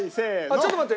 ちょっと待って。